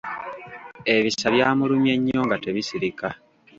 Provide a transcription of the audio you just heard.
Ebisa byamulumye nnyo nga tebisirika.